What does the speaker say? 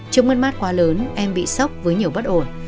trước mắt mắt quá lớn em bị sốc với nhiều bất kỳ điều